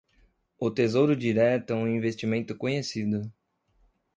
O Tesouro Direto é um investimento conhecido